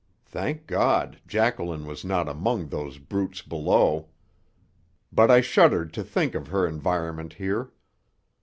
Thank God, Jacqueline was not among those brutes below! But I shuddered to think of her environment here.